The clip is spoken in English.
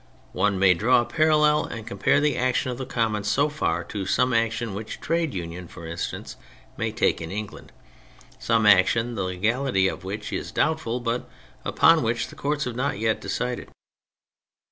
One may draw a parallel and compare the action of the Commons so far to some action which a trade union, lor instance, may take in England; some action the legality of which is doubtful but upon which the courts have not yet decided.